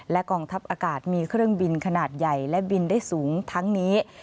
กองทัพอากาศมีเครื่องบินขนาดใหญ่และบินได้สูงทั้งนี้